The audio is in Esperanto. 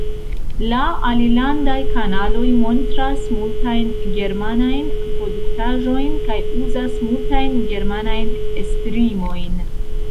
La alilandaj kanaloj montras multajn germanajn produktaĵojn kaj uzas multajn germanajn esprimojn.